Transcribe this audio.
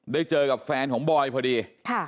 เจอกับแฟนของบอยพอดี